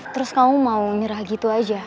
terus kamu mau nyerah gitu aja